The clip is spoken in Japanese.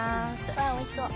わあおいしそう。